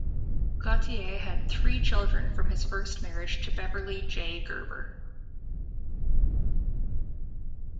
Gautier had three children from his first marriage to Beverly J. Gerber.